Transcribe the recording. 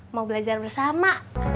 mau belajar bersama